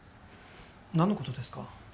何のことですか？